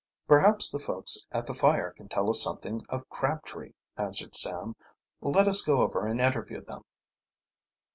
"Perhaps the folks at the fire can tell us something of Crabtree," answered Sam. "Let us go over and interview them."